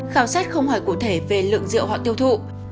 khảo sát không hỏi cụ thể về lượng rượu họ tiêu thụ